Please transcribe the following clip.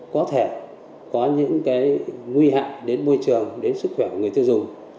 có thể có những nguy hạn đến môi trường đến sức khỏe của người tiêu dùng